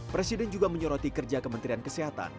presiden juga menyoroti kerja kementerian kesehatan